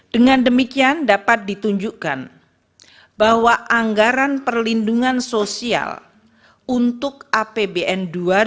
dengan demikian dapat ditunjukkan bahwa anggaran perlindungan sosial untuk apbn dua ribu dua puluh